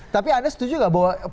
tapi anda setuju nggak